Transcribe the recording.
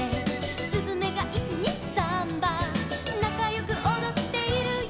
「すずめが１・２・サンバ」「なかよくおどっているよ」